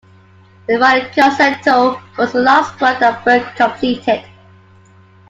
The violin concerto was the last work that Berg completed.